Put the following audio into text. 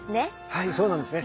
はいそうなんですね。